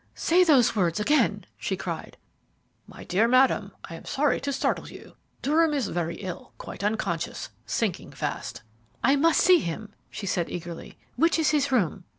"Say those words again," she cried. "My dear madam, I am sorry to startle you. Durham is very ill; quite unconscious; sinking fast." "I must see him," she said eagerly; "which is his room?"